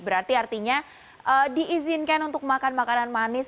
berarti artinya diizinkan untuk makan makanan manis